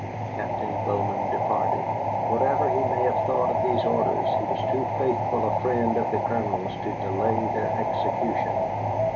Captain Bowman departed. Whatever he may have thought of these orders, he was too faithful a friend of the Colonel's to delay their execution.